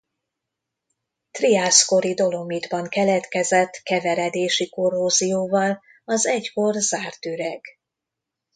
Triász kori dolomitban keletkezett keveredési korrózióval az egykor zárt üreg.